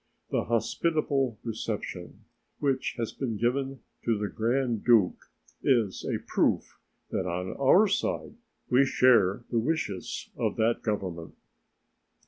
The hospitable reception which has been given to the Grand Duke is a proof that on our side we share the wishes of that Government.